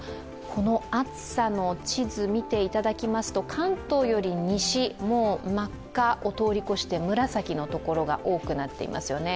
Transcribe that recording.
この暑さの地図を見ていただきますと関東より西、真っ赤を通り越して紫の所が多くなっていますよね。